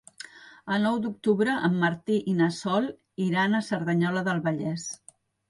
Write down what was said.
El nou d'octubre en Martí i na Sol iran a Cerdanyola del Vallès.